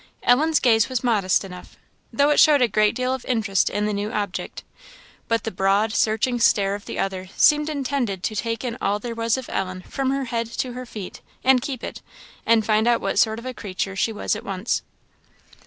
Ellen's gaze was modest enough, though it showed a great deal of interest in the new object; but the broad, searching stare of the other seemed intended to take in all there was of Ellen from her head to her feet, and keep it, and find out what sort of a creature she was at once.